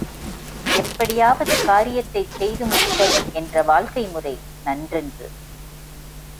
எப்படியாவது காரியத்தைச் செய்து முடித்தல் என்ற வாழ்க்கை முறை, நன்றன்று.